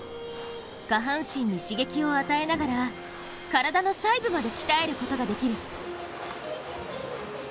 下半身に刺激を与えながら体の細部まで鍛えることができる。